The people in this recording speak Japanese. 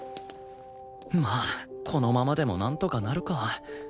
まあこのままでもなんとかなるか